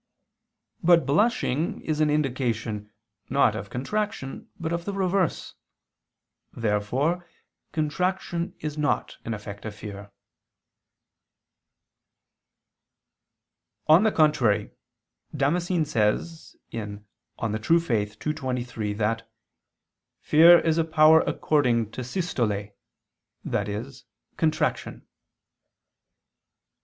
But blushing is an indication, not of contraction, but of the reverse. Therefore contraction is not an effect of fear. On the contrary, Damascene says (De Fide Orth. ii, 23) that "fear is a power according to systole," i.e. contraction.